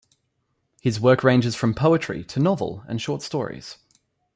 His work ranges from poetry to novel and short stories.